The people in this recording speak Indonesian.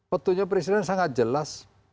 betulnya peristirahatan sangat jelas